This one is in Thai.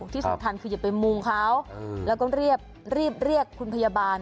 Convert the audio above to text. ที่สำคัญคืออย่าไปมุงเขาแล้วก็รีบเรียกคุณพยาบาล